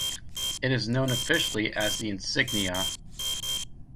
It is known officially as the insignia.